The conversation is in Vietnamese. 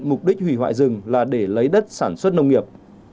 mục đích hủy hoại rừng là để lấy đất sản xuất nông nghiệp